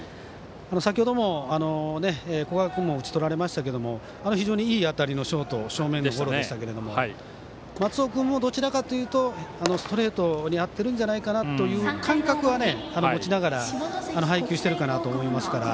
先ほども古賀君も打ち取られましたけど非常にいい当たりでしたが松尾君もどちらかというとストレートに合ってるんじゃないかなという感覚は打ちながら配球しているかなと思いますから。